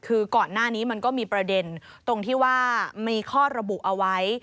คือก่อนหน้านี้มันก็มีประเด็นตรงที่ว่ามีข้อระบุเอาไว้